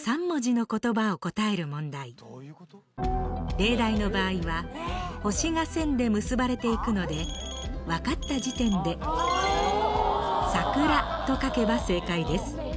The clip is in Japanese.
例題の場合は星が線で結ばれていくのでわかった時点でサクラと書けば正解です。